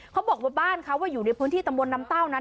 เขาบอกว่าบ้านเขาอยู่ในพื้นที่ตำบลน้ำเต้านั้น